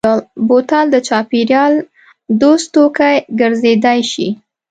بوتل د چاپېریال دوست توکی ګرځېدای شي.